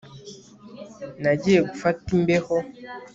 Nagiye gufata imbeho